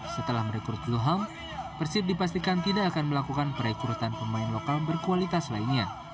setelah merekrut ilham persib dipastikan tidak akan melakukan perekrutan pemain lokal berkualitas lainnya